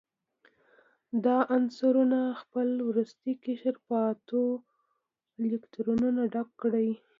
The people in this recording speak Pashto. دا عنصرونه خپل وروستی قشر په اتو الکترونونو ډک کړي.